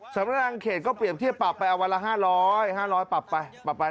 สำนักงานเขตก็เปรียบเทียบปรับไปเอาวันละ๕๐๐๕๐๐ปรับไปปรับไป